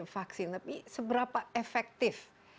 vaksin tapi seberapa efektif